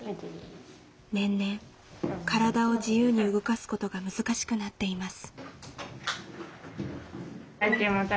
年々体を自由に動かすことが難しくなっています。